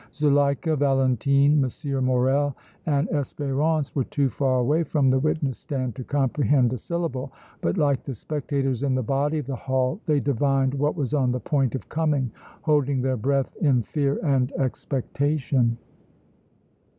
Zuleika, Valentine, M. Morrel and Espérance were too far away from the witness stand to comprehend a syllable, but like the spectators in the body of the hall they divined what was on the point of coming, holding their breath in fear and expectation.